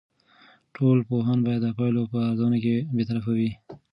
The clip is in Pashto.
ټول پوهان باید د پایلو په ارزونه کې بیطرف وي.